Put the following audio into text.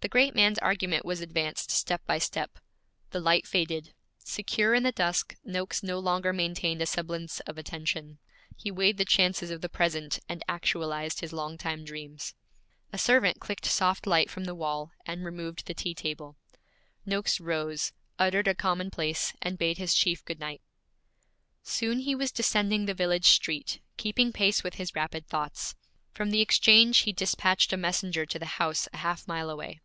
The great man's argument was advanced step by step. The light faded. Secure in the dusk, Noakes no longer maintained a semblance of attention. He weighed the chances of the present and actualized his long time dreams. A servant clicked soft light from the wall, and removed the tea table. Noakes rose, uttered a commonplace, and bade his chief good night. Soon he was descending the village street, keeping pace with his rapid thoughts. From the exchange he dispatched a messenger to the house a half mile away.